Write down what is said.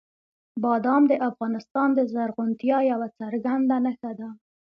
بادام د افغانستان د زرغونتیا یوه څرګنده نښه ده.